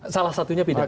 salah satunya pidato